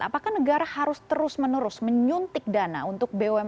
apakah negara harus terus menerus menyuntik dana untuk bumn